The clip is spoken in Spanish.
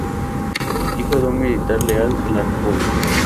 Hijo de un militar leal a la República.